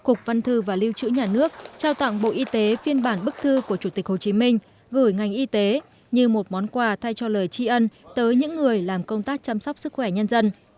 cục văn thư và lưu trữ nhà nước trao tặng bộ y tế phiên bản bức thư của chủ tịch hồ chí minh gửi ngành y tế như một món quà thay cho lời tri ân tới những người làm công tác chăm sóc sức khỏe nhân dân